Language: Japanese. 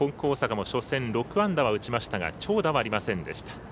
大阪も初戦６安打は打ちましたが長打はありませんでした。